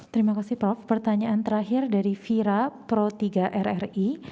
terima kasih prof pertanyaan terakhir dari vira pro tiga rri